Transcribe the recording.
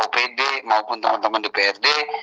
opd maupun teman teman di prd